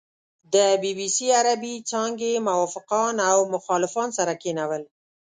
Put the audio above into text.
د بي بي سي عربې څانګې موافقان او مخالفان سره کېنول.